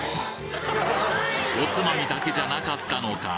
おつまみだけじゃなかったのか？